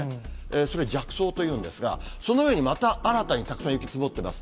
それ、じゃく層というんですが、そのようにまた新たにたくさん、雪積もっています。